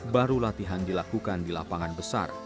baru latihan dilakukan di lapangan besar